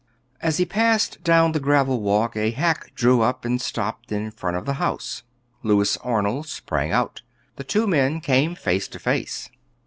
As he passed down the gravel walk, a hack drew up and stopped in front of the house. Louis Arnold sprang out. The two men came face to face.